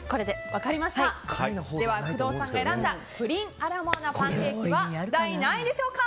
では工藤さんが選んだプリンアラモアナパンケーキは第何位でしょうか。